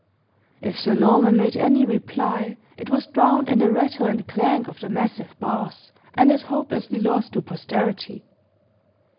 If Sir Norman made any reply, it was drowned in the rattle and clank of the massive bars, and is hopelessly lost to posterity.